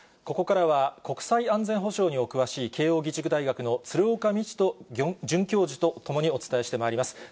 ここからは国際安全保障にお詳しい慶応義塾大学の鶴岡路人准教授と共にお伝えしてまいります。